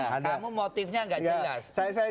kamu motifnya tidak jelas